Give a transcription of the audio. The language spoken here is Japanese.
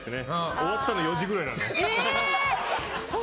終わったの４時くらいなの。